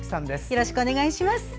よろしくお願いします。